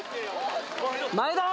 前田！